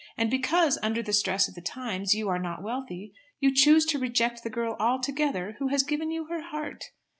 And because, under the stress of the times, you are not wealthy you choose to reject the girl altogether who has given you her heart.